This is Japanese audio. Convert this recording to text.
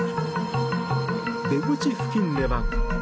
出口付近では。